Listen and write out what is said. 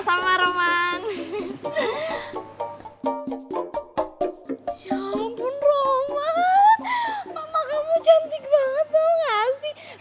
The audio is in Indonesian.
ya ampun roman mama kamu cantik banget tau gak sih